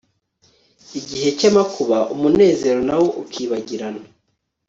igihe cy'amakuba, umunezero na wo ukibagirana